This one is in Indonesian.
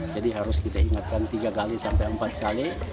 jadi harus kita ingatkan tiga kali sampai empat kali